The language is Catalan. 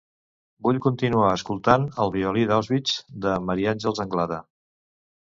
Vull continuar escoltant "El violí d'Auschwitz" de Maria Àngels Anglada.